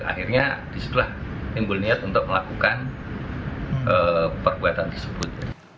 akhirnya disitulah timbul niat untuk melakukan perbuatan tersebut